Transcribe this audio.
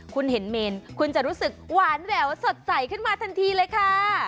คุณเห็นเมนคุณจะรู้สึกหวานแหววสดใสขึ้นมาทันทีเลยค่ะ